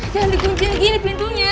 jangan di kuncin gini pelintunya